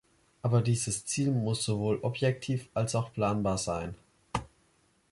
Aber dieses Ziel muss sowohl objektiv als auch planbar sein.